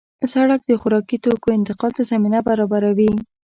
سړک د خوراکي توکو انتقال ته زمینه برابروي.